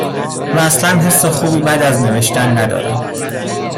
و اصلا حس خوبی بعد از نوشتن ندارم.